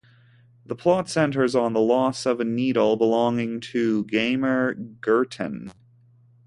The plot centres on the loss of a needle belonging to Gammer Gurton.